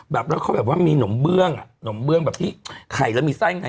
แบบแล้วเขาแบบว่ามีหนมเบื้องอ่ะหนมเบื้องแบบที่ไข่แล้วมีไส้ไง